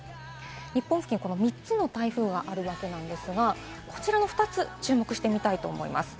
日本付近、３つの台風があるわけですが、こちらの２つ、注目してみたいと思います。